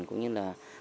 việc quản lý thông tin